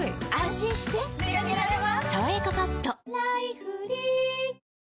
心してでかけられます